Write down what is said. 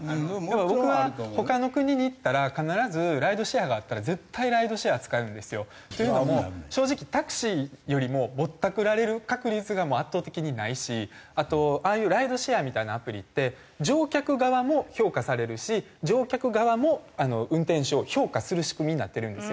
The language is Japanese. でも僕は他の国に行ったら必ずライドシェアがあったら絶対ライドシェア使うんですよ。というのも正直タクシーよりもぼったくられる確率が圧倒的にないしあとああいうライドシェアみたいなアプリって乗客側も評価されるし乗客側も運転手を評価する仕組みになってるんですよね。